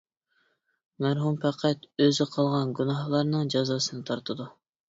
مەرھۇم پەقەت ئۆزى قىلغان گۇناھلارنىڭ جازاسىنى تارتىدۇ.